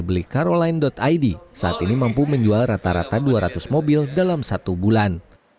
belicaroline id saat ini mampu menjual rata rata dua ratus mobil dalam satu bulan